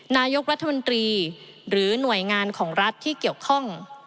นายกรัฐมนตรีหรือหน่วยงานของรัฐที่เกี่ยวข้อง